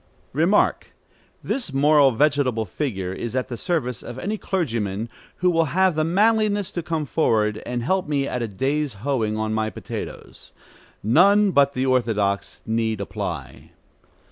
Remark. This moral vegetable figure is at the service of any clergyman who will have the manliness to come forward and help me at a day's hoeing on my potatoes. None but the orthodox need apply.